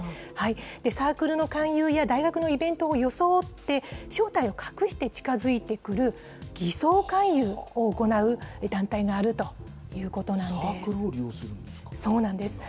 サークルの勧誘や大学のイベントを装って、正体を隠して近づいてくる偽装勧誘を行う団体があるということなサークルを利用するんですかそうなんです。